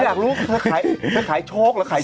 ไม่อยากรู้ถ้าขายโชคหรือขายช่วงล่าง